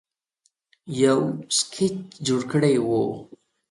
یو سکیچ جوړ کړی وو